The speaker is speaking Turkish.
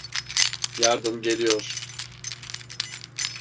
Yardım geliyor.